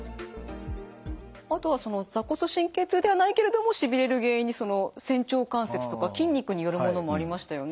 あとは坐骨神経痛ではないけれどもしびれる原因に仙腸関節とか筋肉によるものもありましたよね。